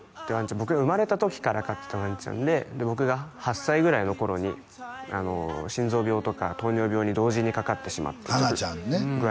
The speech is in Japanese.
僕が生まれた時から飼ってたわんちゃんで僕が８歳ぐらいの頃に心臓病とか糖尿病に同時にかかってしまってハナちゃんね具合